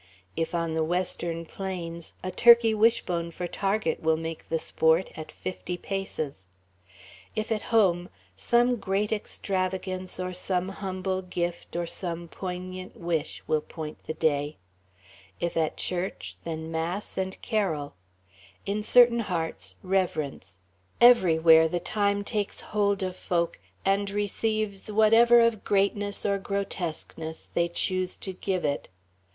If on the western plains, a turkey wishbone for target will make the sport, at fifty paces; if at home, some great extravagance or some humble gift or some poignant wish will point the day; if at church, then mass and carol; in certain hearts, reverence, everywhere the time takes hold of folk and receives whatever of greatness or grotesqueness they choose to give it....